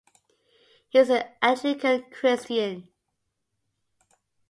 He is an Anglican Christian.